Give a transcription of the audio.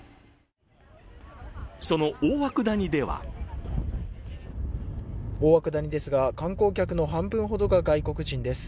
その大涌谷では大涌谷ですが観光客の半分ほどが外国人です。